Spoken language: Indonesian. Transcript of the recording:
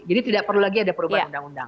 jadi tidak perlu lagi ada perubahan undang undang